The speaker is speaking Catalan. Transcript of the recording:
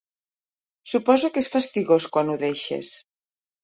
Suposo que és fastigós quan ho deixes.